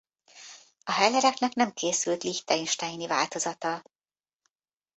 A hellereknek nem készült liechtensteini változata.